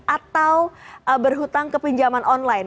atau berhutang ke pinjaman online